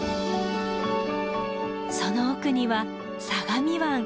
その奥には相模湾。